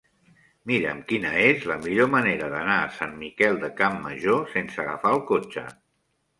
Mira'm quina és la millor manera d'anar a Sant Miquel de Campmajor sense agafar el cotxe.